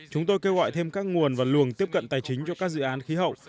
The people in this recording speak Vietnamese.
chúng tôi kêu gọi thêm các nguồn và luồng tiếp cận tài chính cho các dự án khí hậu